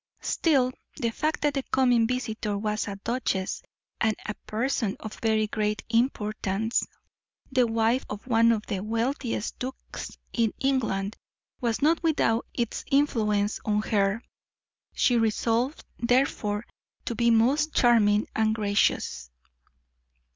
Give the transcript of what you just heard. '" Still, the fact that the coming visitor was a duchess, and a person of very great importance, the wife of one of the wealthiest dukes in England, was not without its influence on her; she resolved, therefore, to be most charming and gracious.